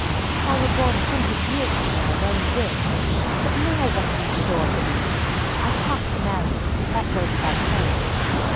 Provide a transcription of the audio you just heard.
If I were born a hundred years from now, well and good, but now what's in store for me—I have to marry, that goes without saying.